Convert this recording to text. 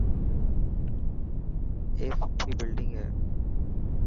اي سٺي بلڊنگ هي.